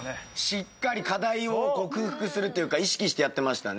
しっかり課題を克服するっていうか意識してやってましたね。